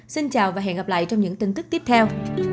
xin chào và hẹn gặp lại trong những tin tức tiếp theo